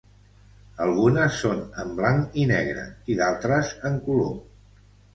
Algunes són en blanc i negre i d'altres en color.